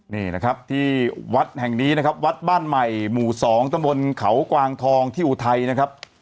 นี่นะครับที่วัดแห่งนี้นะครับวัดบ้านใหม่หมู่๒ตะบนเขากวางทองที่อุทัยนะครับ